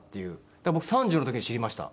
だから僕３０の時に知りました。